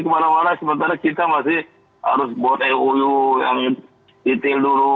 kemana mana sementara kita masih harus buat mou yang detail dulu